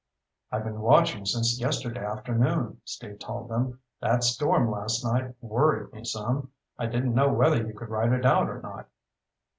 "I've been watching since yesterday afternoon," Steve told them. "That storm last night worried me some. I didn't know whether you could ride it out or not."